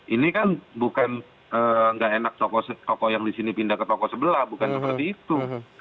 ini kan bukan nggak enak toko yang di sini pindah ke toko sebelah bukan seperti itu